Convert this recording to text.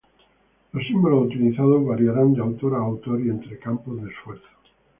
Los símbolos utilizados variarán de autor a autor y entre campos de esfuerzo.